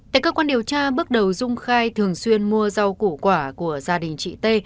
tại cơ quan điều tra bước đầu dung khai thường xuyên mua rau củ quả của gia đình chị t